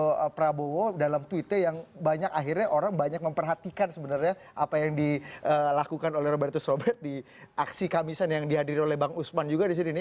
dan itu adalah satu dari beberapa tuitnya yang banyak akhirnya orang banyak memperhatikan sebenarnya apa yang dilakukan oleh robertus robert di aksi kamisan yang dihadiri oleh bang usman juga disini